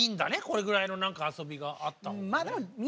これぐらいの遊びがあった方がね。